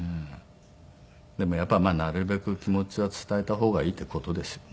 でもやっぱりなるべく気持ちは伝えた方がいいっていう事ですよね。